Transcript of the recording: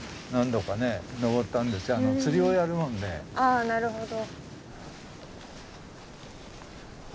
あなるほど。